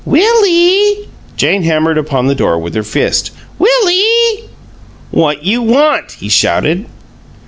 "Will ee!" Jane hammered upon the door with her fist. "Will ee!" "What you want?" he shouted.